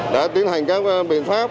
đã tiến hành các biện pháp